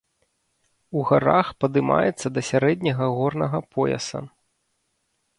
У гарах падымаецца да сярэдняга горнага пояса.